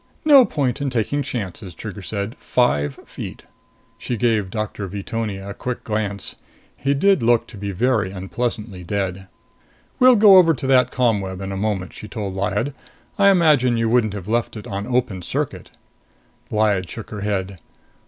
"No point in taking chances," Trigger said. "Five feet." She gave Doctor Veetonia a quick glance. He did look very unpleasantly dead. "We'll go over to that ComWeb in a moment," she told Lyad. "I imagine you wouldn't have left it on open circuit?" Lyad shook her head.